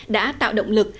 đã tạo động lực